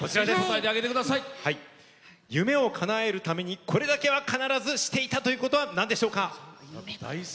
夢をかなえるためにこれだけは必ずしていたということは何ですか？